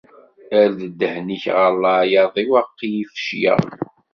Err-d ddehn-ik ɣer leɛyaḍ-iw, aql-i fecleɣ!